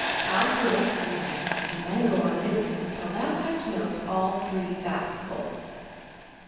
I'll caress the mare, and then go on nibbling till thou hast milked all three vats full."